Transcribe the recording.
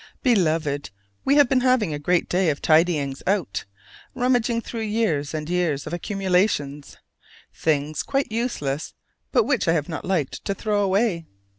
Beloved: We have been having a great day of tidyings out, rummaging through years and years of accumulations things quite useless but which I have not liked to throw away.